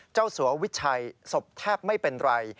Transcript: เจ้าสัววิชัยสบแทบไม่เป็นไร